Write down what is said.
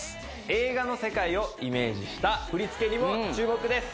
映画の世界をイメージした振り付けにも注目です